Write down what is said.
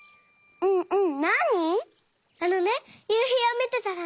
うんうん。